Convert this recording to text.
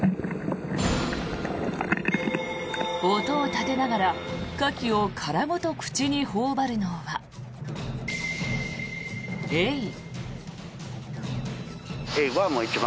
音を立てながらカキを殻ごと口に頬張るのはエイ。